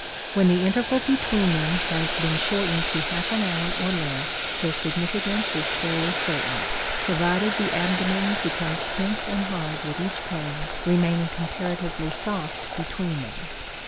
When the interval between them has been shortened to half an hour or less their significance is fairly certain, provided the abdomen becomes tense and hard with each pain, remaining comparatively soft between them.